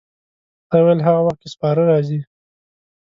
تا ویل هغه وخت کې سپاره راځي.